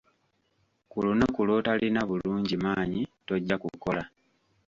Ku lunaku lw'otalina bulungi maanyi tojja kukola.